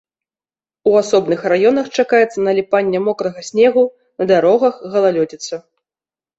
У асобных раёнах чакаецца наліпанне мокрага снегу, на дарогах галалёдзіца.